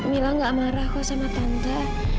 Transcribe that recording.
mila gak marah kok sama tante